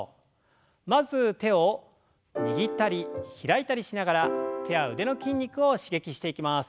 まず手を握ったり開いたりしながら手や腕の筋肉を刺激していきます。